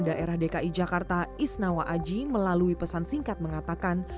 daerah dki jakarta isnawa aji melalui pesan singkat mengatakan